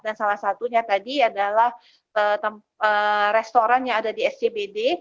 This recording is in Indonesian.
dan salah satunya tadi adalah restoran yang ada di scbd